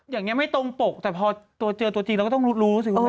อย่างนี้ไม่ตรงปกแต่พอเจอตัวจริงเราก็ต้องรู้สิคุณแม่